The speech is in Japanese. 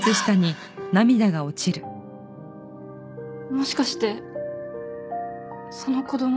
もしかしてその子供って。